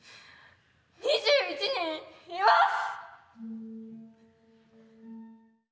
２１人います！